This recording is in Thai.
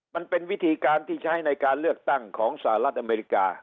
มันเป็นวิธีการที่ใช้ในการเลือกตั้งของสหรัฐอเมริกา